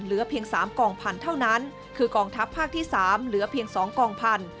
เหลือเพียง๓กองพันธุ์เท่านั้นคือกองทัพภาคที่๓เหลือเพียง๒กองพันธุ